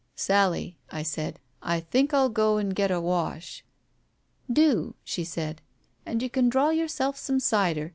"Sally," I said, "I think Til go and get a wash." "Do," she said, "and you can draw yourself some cider.